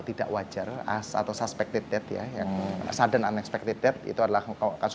tidak wajar as atau suspected death ya yang saden unexpected death itu adalah kau kasus